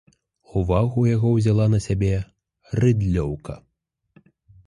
Увагу яго ўзяла на сябе рыдлёўка.